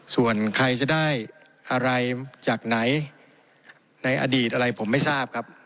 ส่วนใครจะได้อะไรจากไหนในอดีตอะไรผมไม่ทราบครับ